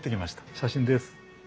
写真です。